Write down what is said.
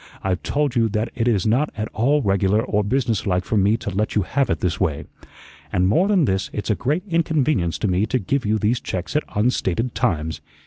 I've told you that it is not at all regular or business like for me to let you have it this way. And more than this, it's a great inconvenience to me to give you these checks at unstated times.